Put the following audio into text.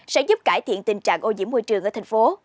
sẽ giúp cải thiện tình trạng ô nhiễm môi trường ở thành phố